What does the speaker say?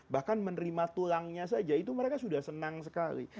bahkan menerima tulangnya saja itu mereka sudah senang sekali